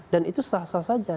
dan itu sah sah saja